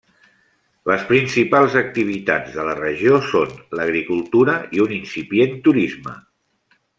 Les principals activitats de la regió són l'agricultura i un incipient turisme.